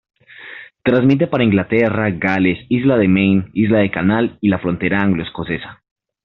Transmite para Inglaterra, Gales, Isla de Man, Islas del Canal y la frontera anglo-escocesa.